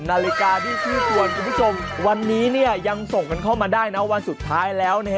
นาฬิกาที่ชื่อชวนคุณผู้ชมวันนี้ยังส่งกันเข้ามาได้นะวันสุดท้ายแล้ว